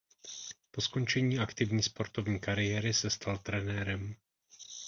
Po skončení aktivní sportovní kariéry se stal trenérem.